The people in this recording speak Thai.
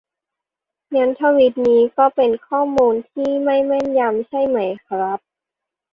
งั้นทวีตนี้ก็เป็นข้อมูลที่ไม่แม่นยำใช่ไหมครับ